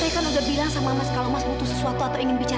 apa yang itu kamu bawa dengannya